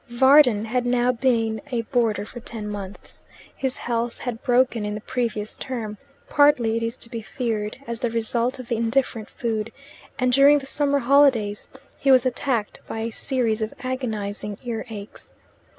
Varden had now been a boarder for ten months. His health had broken in the previous term, partly, it is to be feared, as the result of the indifferent food and during the summer holidays he was attacked by a series of agonizing earaches.